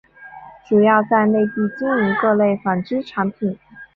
主要在内地经营各类纺织产品。